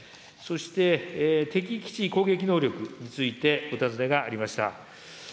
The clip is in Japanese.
そして、敵基地攻撃能力についてお尋ねがありました。